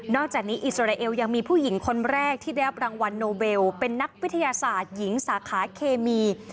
อกจากนี้อิสราเอลยังมีผู้หญิงคนแรกที่ได้รับรางวัลโนเบลเป็นนักวิทยาศาสตร์หญิงสาขาเคมี